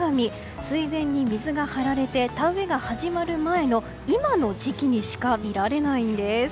水田に水が張られて田植えが始まる前の今の時期にしか見られないんです。